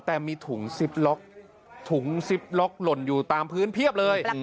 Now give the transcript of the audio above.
แต่มีถุงซิปล็อกถุงซิปล็อกหล่นอยู่ตามพื้นเพียบเลย